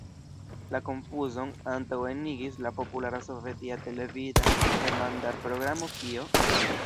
La konfuzon antaŭenigis la populara sovetia televida demandar-programo "Kio?